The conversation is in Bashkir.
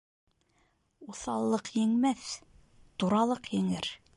Уҫаллыҡ еңмәҫ, туралыҡ еңер.